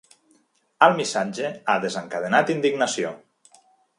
El missatge ha desencadenat indignació.